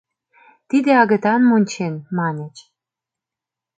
Тиде агытан мунчен, маньыч.